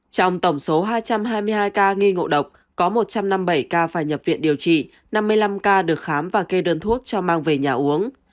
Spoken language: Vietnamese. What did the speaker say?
trong tổng số hai trăm hai mươi hai ca nghi ngộ độc có một trăm năm mươi bảy ca phải nhập viện điều trị năm mươi năm ca được khám và kê đơn thuốc cho mang về nhà uống